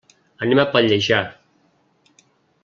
Anem a Pallejà.